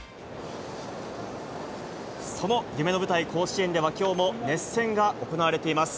その夢の舞台、甲子園ではきょうも熱戦が行われています。